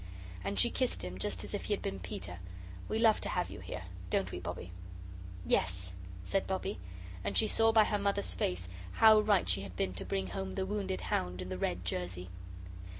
And she kissed him just as if he had been Peter. "We love to have you here don't we, Bobbie?" "Yes," said Bobbie and she saw by her Mother's face how right she had been to bring home the wounded hound in the red jersey.